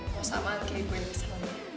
mau samaan kayak gue yang pesenannya